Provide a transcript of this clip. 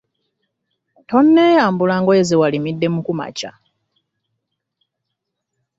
Toneyambula ngoye zewalimidde mu ku makya.